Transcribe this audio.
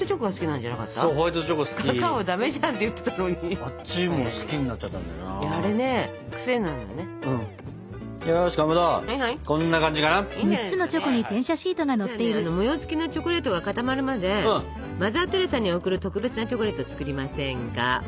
じゃあね模様つきのチョコレートが固まるまでマザー・テレサに贈る特別なチョコレート作りませんか？